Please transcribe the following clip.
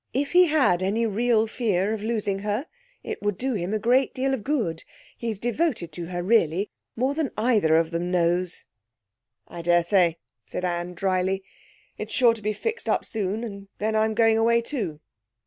'If he had any real fear of losing her, it would do him a great deal of good. He's devoted to her really, more than either of them knows.' 'I daresay,' said Anne dryly. 'It's sure to be fixed up soon, and then I'm going away too.'